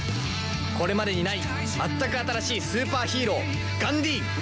これまでにない全く新しいスーパーヒーローガンディーン！